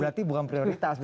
berarti bukan prioritas